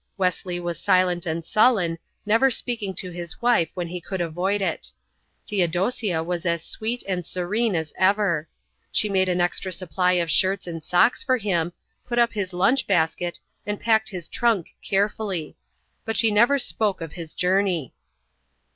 Wesley was silent and sullen, never speaking to his wife when he could avoid it. Theodosia was as sweet and serene as ever. She made an extra supply of shirts and socks for him, put up his lunch basket, and packed his trunk carefully. But she never spoke of his journey.